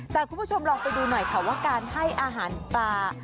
แต่คุณผู้ชมลองไปดูหน่อยค่ะว่าการให้อาหารปลา